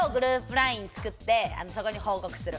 ＬＩＮＥ作って、そこに報告する。